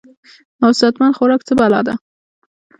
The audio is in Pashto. او صحت مند خوراک څۀ بلا ده -